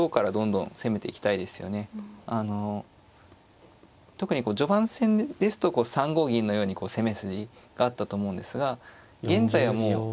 あの特にこう序盤戦ですと３五銀のように攻め筋があったと思うんですが現在はもう。